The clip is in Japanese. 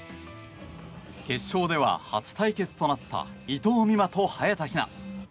決勝では初対決となった伊藤美誠と早田ひな。